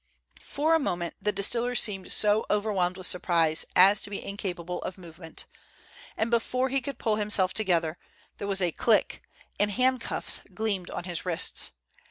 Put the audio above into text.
For a moment the distiller seemed so overwhelmed with surprise as to be incapable of movement, and before he could pull himself together there was a click, and handcuffs gleamed on his wrists.